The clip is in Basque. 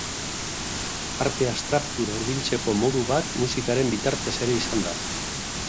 Arte abstraktura hurbiltzeko modu bat musikaren bitartez ere izan da.